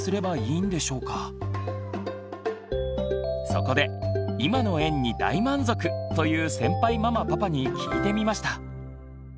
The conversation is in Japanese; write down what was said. そこで今の園に大満足！という先輩ママパパに聞いてみました。